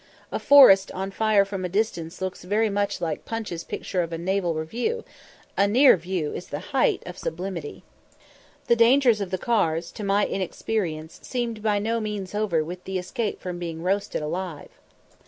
A forest on fire from a distance looks very much like 'Punch's' picture of a naval review; a near view is the height of sublimity. The dangers of the cars, to my inexperience, seemed by no means over with the escape from being roasted alive.